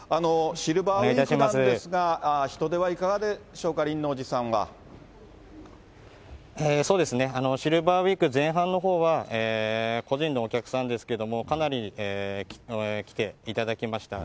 シルバーウイークなんですが、人出はいかがでしょうか、そうですね、シルバーウイーク前半のほうは、個人のお客さんですけれども、かなり来ていただきました。